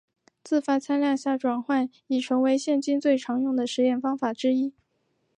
自发参量下转换已成为现今最常用的实验方法之一。